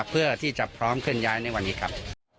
เพื่อที่จะพร้อมเคลื่อนย้ายในวันนี้ครับ